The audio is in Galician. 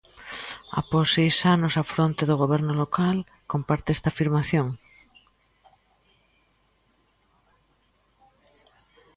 Após seis anos á fronte do Goberno local, comparte esta afirmación?